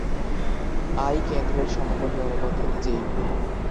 "I" কেন্দ্রের সমকোণী অনুবন্ধী নিজেই।